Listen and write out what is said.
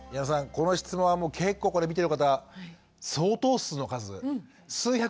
この質問はもう結構これ見てる方相当数の数数百万人いると思います。